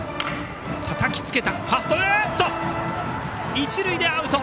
一塁でアウト。